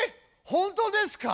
本当ですか？